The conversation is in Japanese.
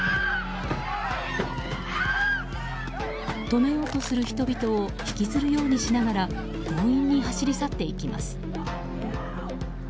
止めようとする人々を引きずるようにしながら強引に走り去っていきます。